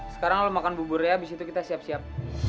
sekarang lo makan bubur ya abis itu kita siap siap